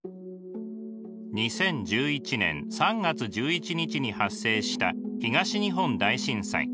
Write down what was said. ２０１１年３月１１日に発生した東日本大震災。